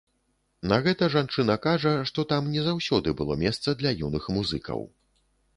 На гэта жанчына кажа, што там не заўсёды было месца для юных музыкаў.